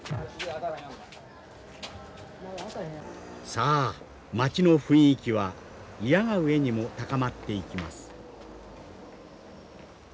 さあ町の雰囲気はいやが上にも高まっていきます。